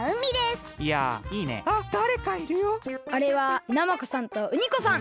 あれはナマコさんとウニコさん！